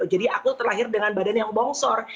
jadi aku terlahir dengan badan yang bongsor